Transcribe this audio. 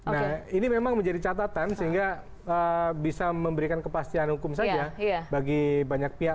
nah ini memang menjadi catatan sehingga bisa memberikan kepastian hukum saja